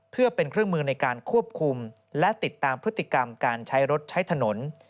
เพื่อเป็นเครื่องมือในการควบคุมและติดตามพฤติกรรมการใช้รถใช้ถนน